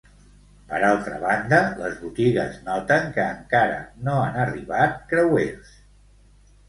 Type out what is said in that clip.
Per altra banda, les botigues noten que encara no han arribat creuers.